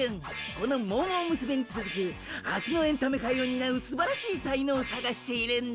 このモーモーむすめにつづく明日のエンタメ界をになうすばらしい才能をさがしているんだ！